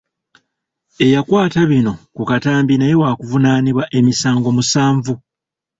Eyakwata bino ku katambi naye waakuvunaanibwa emisango musanvu.